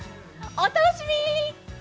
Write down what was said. お楽しみに！